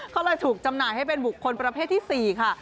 เขาเลยถูกจำหน่ายให้เป็นบุคคลประเภทที่๔ค่ะ